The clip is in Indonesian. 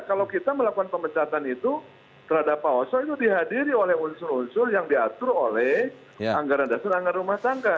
kalau kita melakukan pemecatan itu terhadap pak oso itu dihadiri oleh unsur unsur yang diatur oleh anggaran dasar anggaran rumah tangga